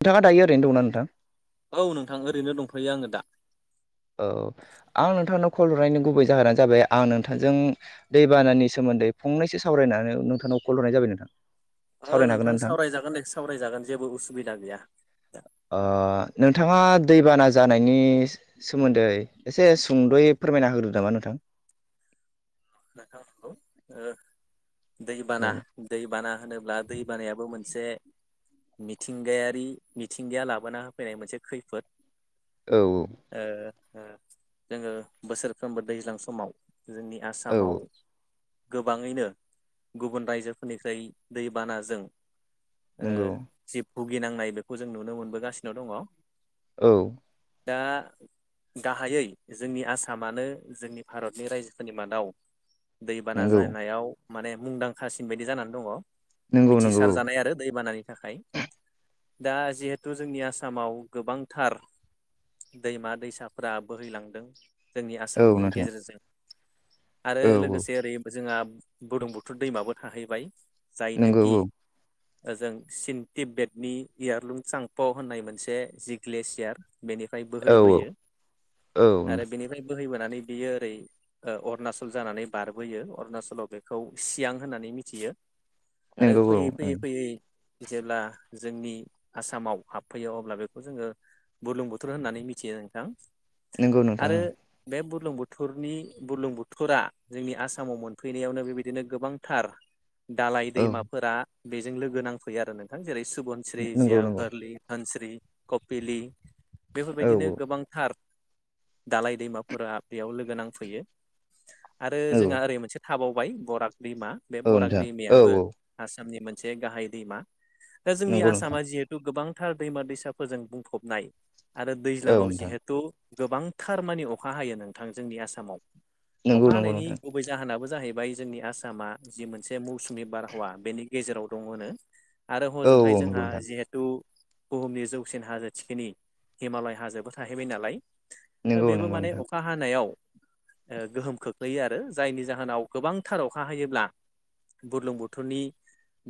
नोंथाङा दायो ओरैनो दंना नोंथां? औ नोंथां ओरैनो दंथ'यो आङो दा औ आं नोंथांनाव कल हरनायनि गुबै जाहोनानो जाबाय आं नोंथांजों दैबानानि सोमो न्दै फंनैसो सरायनानै नोंथांनाव कल हरनाय जाबाय नोंथां औ सावरायनो हागोन नोंथां ना सावरायजागोन दे सावरायजागोन जेबो उसुबिदा गैया। दा आ नोंथाङा दैबाना जानायनि सोमोन्दै एसे सुंद'यै फोरमायना होग्रो नामा नों थां नोंथां नंगौ ओ औ दैबाना-दैबाना होनोब्ला दै बानायाबो मोन से मिथिंगायारि मिथिंगाया लाबोना होफैनाय मोनसे खैफोद। औ औ ओ ओ जोङो बोसोरफ्रोमबो दैज्लां समाव जोंनि आसामाव औ गोबाङैनो गुबुन रायजोफोरनिफ्राय दैबानाजों ओ नंगौ जि भुगिनांनाय बेखौ जों नुनो मोनबोगासिनो दङ औ दा गाहायै जोंनि आसामानो जोंनि भारतनि रायजोफोरनि मादाव दैबाना नंगौ जानायाव माने मुंदांखासिन बायदि जानानै दङ। नंगौ नंगौ मिथिसारजानाय आरो दैबानानि थाखाय दा जिहेथु जोंनि आसामाव गोबांथार दैमा दैसाफोरा बोहैलांदों जोंनि औ आसामनि नोंथां गेजेरजों आरो औ औ लोगोसे ओरै जोंहा बुरलुंबुथुर दैमाबो थाहैबाय नंगौ जाइनोखि औ ओजों चिन तिब्बेट नि इयारलुं चांफाव होननाय मोनसे जि ग्लेसियार बेनिफ्राय औ औ बोहैबोयो औ आरो बेनिफ्राय बोहैबोनानै बियो ओरै ओ अरुणाचल जानानै बारबोयो अरुणाचलाव बेखौ सियां होननानै मिथियो आरो नंगौ फैयै औ फैयै फैयै जेब्ला जोंनि आसामाव हाबफैयो अब्ला बेखौ जोङो बुरलुंबुथुर होननानै मिथियो नोंथां नंगौ नोंथां आरो बे बु रलुंबुथुरनि बुरलुंबु थुरा जोंनि आसामाव मोनफैनायावनो बेबायदिनो गोबांथार दालाय औ दैमाफोरा बेजों लोगो नांफैयो आरो नोंथां जेरै सुबुनस्रि, नंगौ नंगौ जियाभरलि, धोनस्रि, कपिलि औ बेफोरबायदिनो गोबांथार दालाय दैमाफोरा बेयाव लोगो नांफैयो आरो औ जोंहा ओरै मोनसे थाबावबाय बराग दैमा बे औ बराग नोंथां औ दैमायाबो औ आसामनि मोन से गाहाय दैमा। दा जोंनि नंगौ नोंथां आसामा जिहेथु गोबां गोथार दैमा दैसाफोरजों बुंफबनाय आरो औ दैज्लाङाव नोंथां जिहेथु गोबांथार मानि अखा हायो नोंथां जोंनि आसामाव। नंगौ अखा नंगौ हानायनि नोंथां गुबै जाहोनाबो जाहै बाय जोंनि आसामा जि मोनसे मौसुमि बारहावा बेनि गेजेराव दङ होनो आरो औ हजोंहाय औ नंगौ जोंहा नोंथां जिहेथु बुहुमनि जौसिन हाजो थिखिनि हिमालय हाजोबो थाहैबाय नालाय नंगौ बेबो नंगौ माने नोंथां अखा हानायाव ओ गोहोम खोख्लैयो आरो जायनि जाहोनाव गोबांथार अखा हायोब्ला बुरलुंबुथुरनि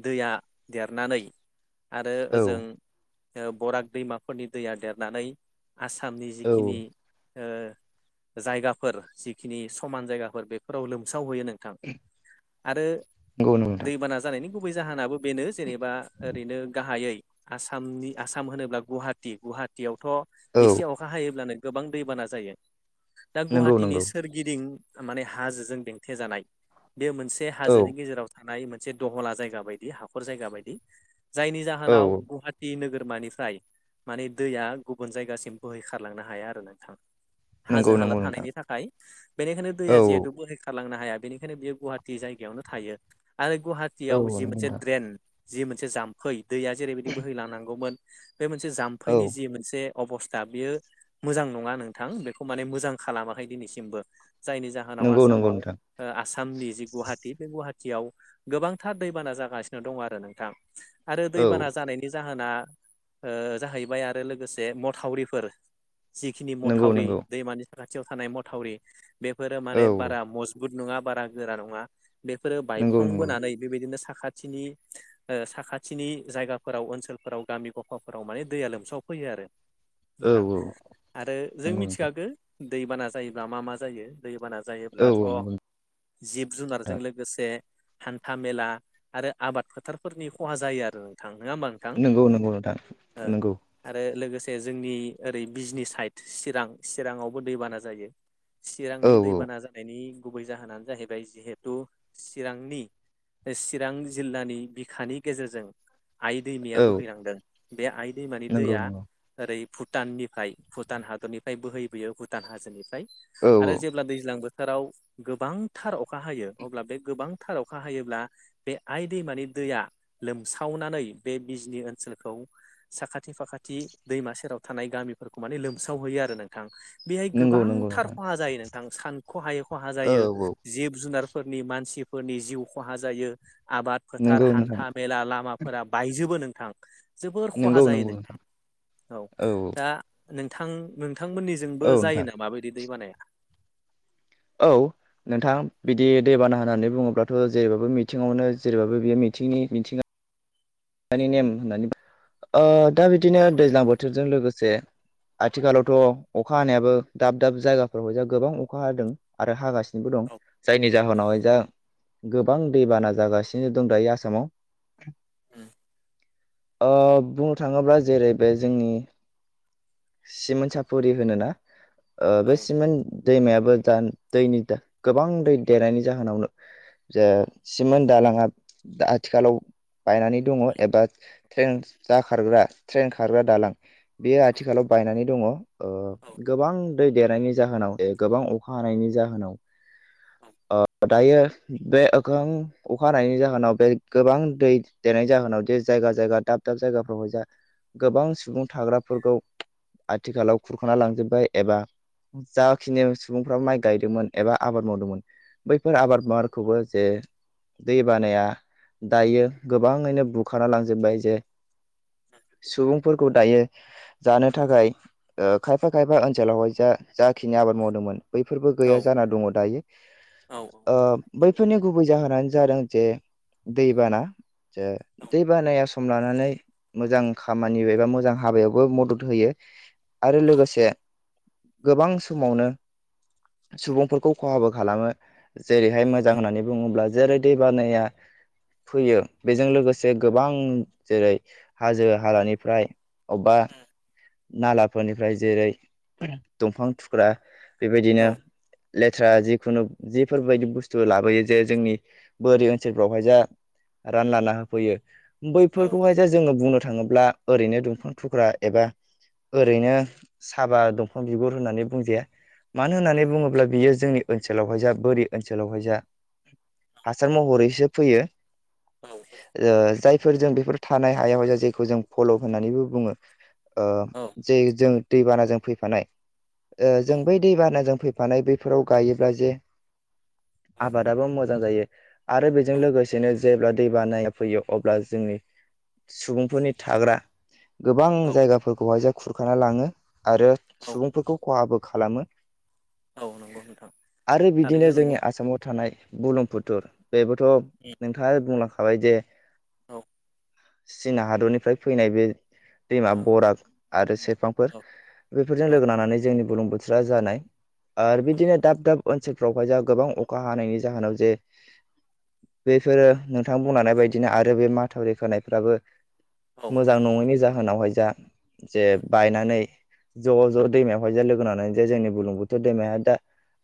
दैया देरनानै आरो औ ओजों बराग दैमाफोरनि दैया देरनानै आसामनि औ जिखिनि ओ जायगाफोर जिखिनि समान जायगाफोर बेफोराव लोमसाव हैयो नोंथां आरो नंगौ नोंथां दैबाना जानायनि गुबै जाहोनाबो बेनो जेनेबा ओरैनो गाहायै आसामनि आसाम होनोब्ला गुवाहाटि गुवाहाटियावथ औ एसे अखा हायोब्लानो गोबां दैबाना जायो दा नंगौ गुवाहाटिनि नंगौ सोरगिदिं माने हाजोजों बेेंथे जानाय बे मोनसे औ हाजोनि गेजेराव थानाय मोन मोनसे दहला जायगा बायदि हाखर जायगा बायदि जायनि औ जाहोनाव गुवाहाटि नोगोर मानिफ्राय माने दैया गुबुन जायगासिम बोहैखारलांनो हाया आरो नोंथां हाजो नंगौ हाला नंगौ नोंथां थानायनि थाखाय बेनिखायनो दैया औ जिहेतु बोहैखा खारलांनो हाया बेनिखायनो बियो गुवाहाटि जायगायावनो थायो आरो औ गुवाहाटियाव नंगौ जि मोनसे नोंथां ड्रेन जि मोनसे जाम्फै दैया जेरैबायदि बोहैलांनांगौमोन बे मोनसे औ जाम्फैनि जि मोनसे अबस्था बियो मोजां नङा नोंथां बेखौ माने मोजां खालामाखै दिनैसिमबो जायनि जाहोनाव नंगौ नंगौ आसामाव ओ नोंथां आसामनि जि गुवाहाटि बे गुहा याव गोबांथार दैबाना जागासिनो दङ आरो नोंथां आरो औ दैबाना जानायनि जाह जाहोना ओ जाहैबाय आरो लोगोसे मथावरिफोर जिखिनि नंगौ मथावरि नंगौ दैमानि साखाथियाव थानाय मथावरि बेफोरो औ माने औ बारा मज गुद नङा बारा गोरा नङा बेफोरो नंगौ बायफ्लं नंगौ बोनानै बेबायदिनो सा साखाथिनि ओ साखाथिनि जायगाफोराव ओनसोलफोराव गामि गफाफोराव माने दैया लोमसाव फै आरो औ नोंथां औ आरो जों नंगौ नोंथां मिथिखागो दैबाना जायोब्ला मा मा जायो दैबाना औ जायोब्लाथ औ नंगौ जिब जुनारजों लोगोसे हान्था मेला आरो आबाद फोथारफोरनि खहा जायो आरो नोंथां नङा होमबा नोंथां नंगौ नंगौ नोंथां नंगौ माखासे जोंनि ओरै बिजनि साइड चिरां चिराङावबो दैबाना जायो औ चिरांनि औ दैबाना जानायनि गुबै जाहोनानो जाहैबाय जिहेथु चिरांनि चिरां जिल्लानि बिखानि गेजेरजों आइ दैमाया औ बोहैलांदों बे आइ दैमानि नंगौ दैया नंगौ ओरै भुटाननिफ्राय भुटान हादरनिफ्राय बोहैबोयो भुटान हाजोनिफ्राय औ औ थाराव गोबांथार अखा हायो अब्ला बे गोबांथार अखा हायोब्ला बे आइ दैमानि दैया लोमसावनानै बे बिजनि ओनसोलखौ साखाथि फाखाथि दैमा सेराव थानाय गामिफोरखौ माने लोमसावहैयो आरो नोंथां बेहाय नंगौ नंगौ गोबांथार नोंथां खहा जायो नोंथां सानखहायै खहा औ जायो औ जिब जुनार फोरनि मानसिफोरनि जिउ खहा जायो आबाद फोथार नंगौ नोंथां हान्था मेला लामाफोरा बायजोबो नोंथां जोबोर खहा नंगौ जायो नंगौ नोंथां औ दा नोंथां नोंथांमोननिजोंबो औ नोंथां जायोनामा बिदि दै बानाया औ नोंथां बिदि दैबाना होननानै बुङोब्लाथ जेरैबाबो मिथिङावनो जेरैबाबो बियो मिथिंनि मिथिङा दानि नेम होननानै ओ दा बिदिनो औ दैज्लां बोथोरजों लोगोसे आथिखालावथ' अखा हानायाबो दाब दाब जायगाफोराव जों गोबां अखा हादों आरो हागासिनो। दं औ जायनि जाहोनावहाय जा। गोबां दैबाना जागासिनो दं दायो आसामाव। उम ओ बुंनो थांङोब्ला जेरै बे जोंनि। सिमोनन्ट साफुरि होनोना औ बे सिमोनन्ट। दैमायाबो दा दैनि गोबां दै देरनायनि जाहोनावनो। ज सिमोन दालाङा आथिखालाव बायनानै दङ एबा। ट्रेन जा खारग्रा ट्रेन खारग्रा दालां बेयो आथिखालाव बायनानै दङ। औ गोबां दै देरनायनि जाहोनाव ए गोबां अखा हानायनि जाहोनाव। ओ दायो बे ओखां अखानायनि जाहोनाव बे गोबां दै देरनायनि जाहोनाव जे जायगा जायगा दाब दाब जायगाफ्रावह जा गोबां सुबुं थाग्राफोरखौ आथिखालाव खुरखाना लांजोब्बाय एबा जाखिनि सुबुंफ्रा माइ गायदोंमोन एबा आबाद मावदोंमोन बैफोर आबाद बाखौबो जे दै बानाया दायो गोबाङैनो बुखाराना लांजोबबाय जे [inaudible] सुबुंफोरखौ दायो जानो थाखाय ओ खायफा खायफा ओनसोलावहाय जा-जाखिनिया आबाद मावदोंमोन बैफोरबो औ गैया जाना दङ दायो औ ओ बै फोरनि गुबै जाहोनानो जादों जे दैबाना। ज दै बानाया सम लानानै मोजां खामानि एबा मोजां हाबायावबो मदद होयो। आरो लोगोसे गोबां समावनो सुबुंफोरखौ खहाबो खालामो जेरैहाय मोजां होननानै बुङोब्ला जेरै दैबानाया फैयो बेजों लोगोसे गोबां जेरै हाजो हालानिफ्राय अबबा नालाफोरनिफ्राय जेरै दंफां थुख्रा बेबायदिनो लेथ्रा जिखुनु जिफोरबायदि बुस्थु लाबोयो जे जोंनि बोरि ओनसोलफ्रावहाय जा रानलाना होफैयो बैफोरखौहाय जा जोङो बुंनो थाङोब्ला ओरैनो दंफां थुख्रा एबा ओरैनो साबा दंफां बिगुर होननानै बुंजाया। मानो होननानै बुङोब्ला बियो जोंनि ओनसोलावहाय जा बोरि ओनसोलावहाय जा हासार महरैसो फैयो। ओ जायफोर जों बेफोर थानाय हायाव हाय जायखौ जों फल' होननानैबो बुङो। ओ जे जों दैबानाजों फैफानाय ओ जों बै दैबानाजों फैफानाय बैफोराव गायोब्ला जे आबादाबो मोजां जायो आरो बेजों लोगोसेनो जेब्ला दै बानाया फैयो अब्ला जोंनि सुबुंफोरनि थाग्रा गोबां जायगाफोरखौहाय जे खुरखाना लाङो। आरो औ सुबुंफोरखौ खहाबो खालामो। औ नंगौ नोंथां आरो बिदिनो थारैनो जोंनि नंगौ आसामाव थानाय बुलुम फुथुर। बेबोथ' औ नोंथाङा बुंलांखाबाय जे औ चिना हादरनिफ्राय फैनाय बे दैमा बरा आरो सेरफांफोर। बैफोरजों औ लोगो नानानै जोंनि बुलुंर बुथुरा जानाय। आरो बिदिनो दाब दाब ओनसोलफ्रावहाय जोंहा गोबां अखा हानायनि जाहोनाव जे बेफोरो नोंथां बुंलांनाय बायदिनो आरो बे माथावरि खोनायफ्राबो औ मोजां नंगौ नोंथां नङैनि जाहोनावहाय जा जे बायनानै ज' ज' दैमायावहाय जे लोगोननानै जे जोंनि बुलुं बोथोर दैमाया दा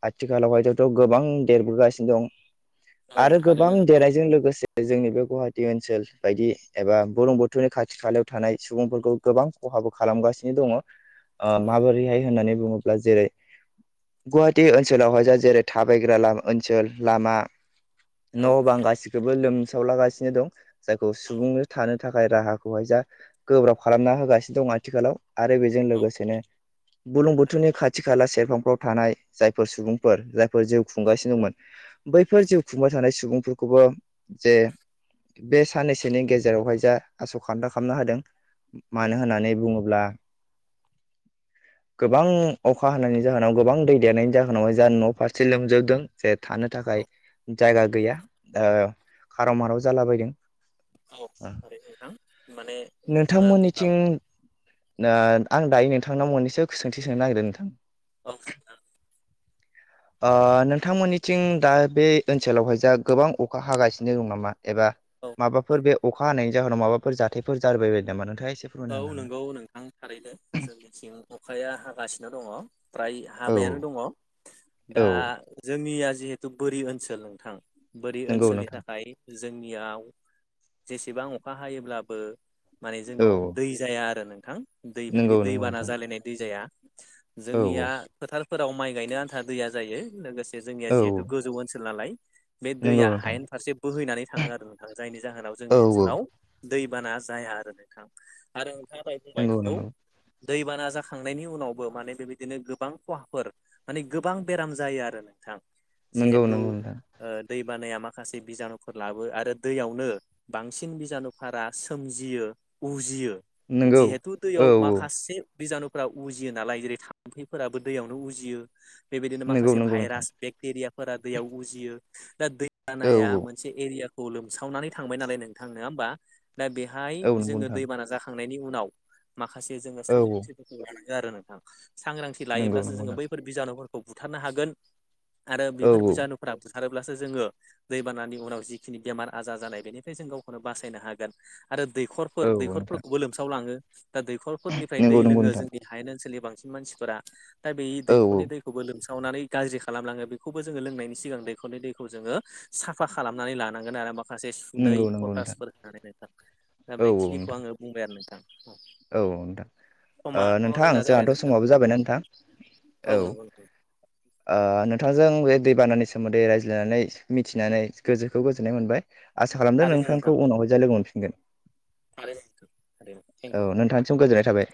आथिखालाव हायथ'थ' गोबां देरबोगासिनो दं औ आरो गोबां थारैनो देरनायजों लोगोसे जोंनि बे गुवाहाटि ओनसोल बायदि एबा बुर्लुंबुथुनि खाथि खालायाव थानाय सुबुंफोरखौ गोबां ख हाबो खालामगासिनो दङ ओ नोंथां औ माबोरैहाय होननानै बुङोब्ला जेरै गुवाहाटि ओनसोलावहाय जा जेरै थाबायग्रा ला-ओनसोल लामा औ न' बां गासिखोबो लोम सावलागासिनो दं। जायखौ औ सुबुंनो थानो थाखाय राहाखौहाय जा गोब्राब खालामना होगासिनो दं। आथिखालाव आरो बेजों लोगोसेनो बुर्लुंबुथुरनि खाथि खाला सेरफांफोराव थानाय जायफोर सुबुंफोर जायफोर जिउ खुंगासिनो दंमोन बैफोर जिउ खुंबाय थानाय सुबुंफोरखौबो जे बे साननैसोनि गेजेरावहाय जा आस' खान्था खामना होदों। मानो होननानै बुङोब्ला [inaudible] गोबां अखा हानायनि जाहोनाव गोबां दै देरनायनि जाहोनावहाय ज न'आव फारसे लोमजोबदों जे थानो थाखाय जायगा गैया ओ खार' माराव जालाबायदों। औ ओ नोंथां माने नोंथाङा बुंखाबाय। दा आं दायो नोंथांनाव मोनन्नैसो सोंथि सोंनो नागिरदों नोंथां? अस ओ नोंथांमोननिथिं दा बे ओनसोलावहाय जा गोबां अखा हागासिनो दं नामा एबा औ माबाफोर बे अखा हानायनि जाहोनाव माबाफोर जाथायफोर जाबाय बायदों नामा नोंथां? औ नंगौ नोंथां थारैनो जोंनिथिं अखाया हागासिनो दङ फ्राय हाब नो दङ दा जोंनिया जिहेथु बोरि ओनसोल नोंथां बोरि हागोन ना? ओनसोलनि थाखाय जों जोंनियाव जेसेबां अखा हायोब्लाबो माने जोंनाव औ दा आरो नोंथां दै बेबायदि नंगौ दै बाना नोंथां जालायनाय दै जाया औ नंगौ नोंथां औ जोंनिया फोथार फोराव माइ गायनो आन्था दैया जायो लोगोसे जोंनिया औ जिहेतु गोजौ ओनसोल नालाय बे दैया नंगौ नोंथां हायेन फारसे बोहैनानै थाङो आरो नोंथाङा जायनि जाहोनाव औ जोंनि औ ओनसोलाव दैबाना जाया आरो नोंथां आरो नोंथांङा दाय बुंबाय नंगौ दैबाना जाखांनायनि उनावबो माने बेबायदिनो गोबां खहाफोर माने गोबां बेराम जायो आरो नोंथां नंगौ जिहेथु नंगौ नोंथां ओ दै बानाया माखासे बिजानुफोर लाबो आरो दैयावनो बांसिन बिजानुफोरा सोमजियो उजियो नंगौ जिहेथु औ दैयाव औ माखासे बिजानुफोरा उजियो नालाय जेरै थाम्फैफोराबो दैयावनो उजियो बेबायदिनो नंगौ माखासे नंगौ नोंथां भाइरास बेक्टेरियाफोरा दैयाव उजियो दा दै औ जानाया औ मोनसे एरियाखौ लोमसावनानै थांबाय नालाय नोंथां नङा होमबा दा बे औ नंगौ जोङो नोंथां दैबाना जाखांनायनि उनाव माखासे जोङो औ औ सांग्रांथिफोरखौ लानांगौ आरो नोंथां सांग्रांथि नंगौ लायोब्लासो नंगौ जोङो नोंथां बैफोर बिजानुफोरखौ बुथारनो हागोन आरो औ बेफोर बिजानुफोरार हारोब्लासो जोङो दैबानानि उनाव जिखिनि बेमार आजार जानाय बेनिफ्राय जों गावखौनो बासायनो हागोन आरो दै औ औ नोंथां दैखरफोरखौबो लोमसावलाङो दा दैखरफोरनिफ्राय दै नंगौ नंगौ लोङो नोंथां जोंनि हायन ओनसोलनि बांसिन बांसिन मानसिफोरा दा बे औ औ दैखरनि दैखौबो लों सावनानै गाज्रि खालामलाङो बेखौबो जोङो लोंनायनि सिगां दैखरनि दैखौ जोङो साफा खालामनानै लानांगोन आरो माखासे सुनै नंगौ नंगौ नोंथां पटासफोर होनानै नोंथां दा औ औ बेखिनिखौ नोंथां आङो बुंबाय आरो नोंथां। औ नोंथां ओ समाथ' नोंथां जोंना जाबाय जोंहाथ' नोंथां समावबो जाबायना नोंथां? औ नंगौ नोंथां आ नोंथां जों बे दैबानानि सोमोन्दै रायज्लायनानै मिथिनानै गोजोखौ गोजोननाय मोनबाय आसा खालामदों नोंथांखौ उनावहाय जाय लोगो मोनफिनगोन ‌। आरो औ नोंथांनिसिम गोजोननाय थाबाय।